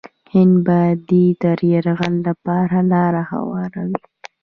هند باندې د یرغل لپاره لاره هواروي.